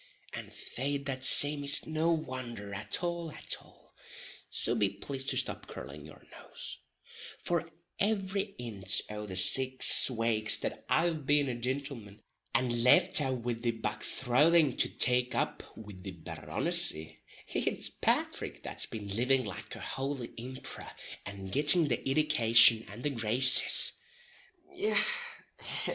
And fait that same is no wonder at all at all (so be plased to stop curlin' your nose), for every inch o' the six wakes that I've been a gintleman, and left aff wid the bog throthing to take up wid the Barronissy, it's Pathrick that's been living like a houly imperor, and gitting the iddication and the graces.